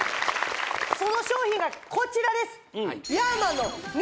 その商品がこちらです